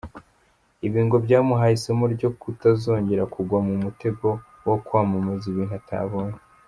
Ibi ngo byamuhaye isomo ryo kutazongera kugwa mu mutego wo kwamamaza ibintu atabonye.